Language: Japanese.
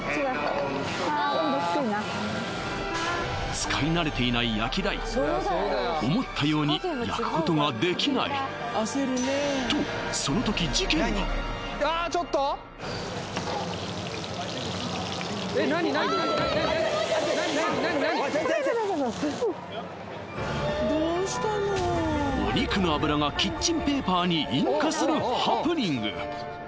使い慣れていない焼き台思ったように焼くことができないとお肉の油がキッチンペーパーに引火するハプニング！